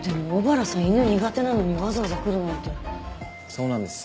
そうなんです。